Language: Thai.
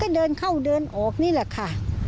เดินเข้าเดินออกนี่แหละค่ะ